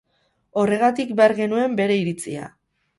Horregatik behar genuen bere iritzia.